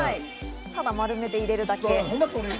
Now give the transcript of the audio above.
ただ丸めて入れるだけ。